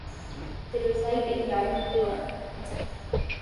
They reside in Diamond Bar.